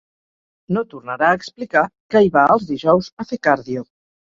No tornarà a explicar que hi va els dijous a fer càrdio.